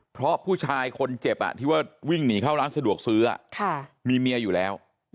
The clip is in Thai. เพราะผู้ชายคนเจ็บที่ว่าวิ่งหนีเข้าร้านสะดวกซื้อมีเมียอยู่แล้ว